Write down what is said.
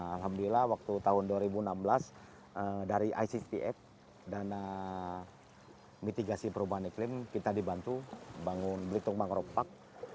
alhamdulillah waktu tahun dua ribu enam belas dari icpf dana mitigasi perubahan eklim kita dibantu bangun blitung mangkropak